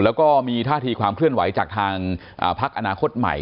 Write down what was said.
แล้วก็มีท่าทีความเคลื่อนไหวจากทางพักอนาคตใหม่